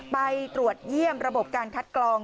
ไปตรวจเยี่ยมระบบการคัดกรอง